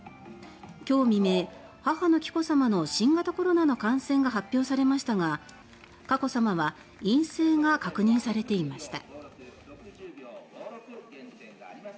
今日未明母の紀子さまの新型コロナの感染が発表されましたが佳子さまは陰性が確認されていました。